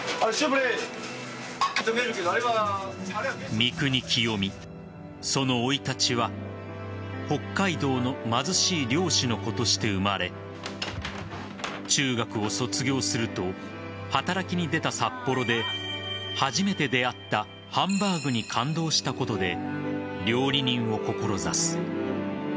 三國清三、その生い立ちは北海道の貧しい漁師の子として生まれ中学を卒業すると働きに出た札幌で初めて出会ったハンバーグに感動したことで料理人を志す。